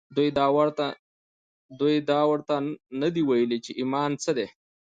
دوی دا ورته نه دي ویلي چې ایمان څه دی